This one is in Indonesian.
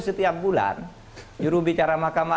setiap bulan jurubicara mahkamah